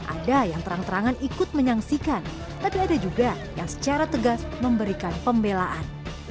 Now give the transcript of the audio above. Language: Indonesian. ada yang terang terangan ikut menyaksikan tapi ada juga yang secara tegas memberikan pembelaan